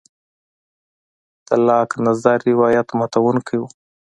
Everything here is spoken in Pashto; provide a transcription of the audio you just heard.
د لاک نظر روایت ماتوونکی و.